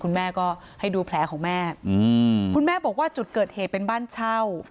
คุณแม่ก็ให้ดูแผลของแม่อืมคุณแม่บอกว่าจุดเกิดเหตุเป็นบ้านเช่า